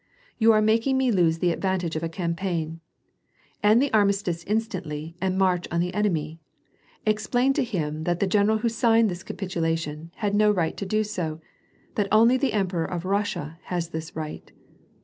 You are making me lose the advantage of a campaign. End the armistice Instantly, and march on the enemy. Ex plain to him that the general who signed this capitulation, had no right to do so, — that only the Emperor of Russia has this right.